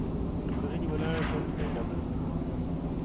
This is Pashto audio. پر کرنې ولاړه ټولنه یې رامنځته کړه.